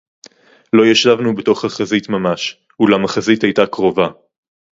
לֹא יָשַׁבְנוּ בְּתוֹךְ הַחֲזִית מַמָּשׁ, אוּלָם הַחֲזִית הָיְתָה קְרוֹבָה.